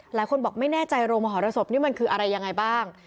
หลายคนบอกไม่แน่ใจโรงมหรสบนี่มันคืออะไรยังไงบ้าง